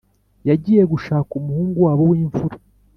yagiye gushaka umuhungu wabo w'imfura.